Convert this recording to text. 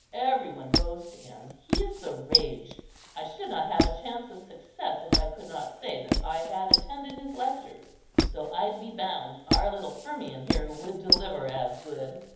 Every one goes to him. He is the rage. I should not have a chance of success if I could not say that I had attended his lectures; though I'd be bound our little Firmian here would deliver as good.